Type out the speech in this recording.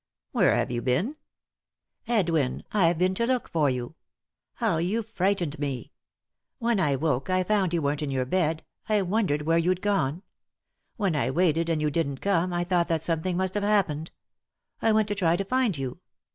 "Where have you been ?"" Edwin I I've been to look for you. How you've frightened me. When I woke, I found you weren't in your bed, I wondered where you'd gone. When I waited, and you didn't come, I thought that some thing must have happened; I went to try to find you.